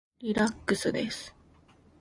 リラックスです。